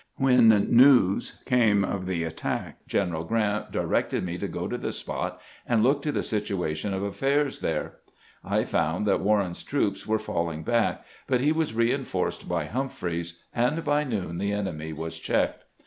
When news came of the attack. General Grant directed me to go to the spot and look to the situation of affairs there. I found that Warren's troops were falling back, but he was reinforced by Humphreys, and by noon the enemy was checked.